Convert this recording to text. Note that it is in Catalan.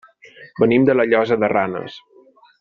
Venim de la Llosa de Ranes.